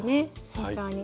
慎重に。